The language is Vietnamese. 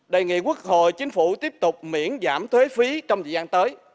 đề nghị quốc hội chính phủ tiếp tục miễn giảm thuế phí trong thời gian tới